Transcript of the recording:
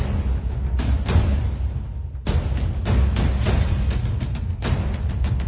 จะว่ามันจะสร้างการร้ายแบบบ้างตลอดง่ายนะคะ